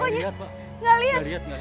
nggak liat pak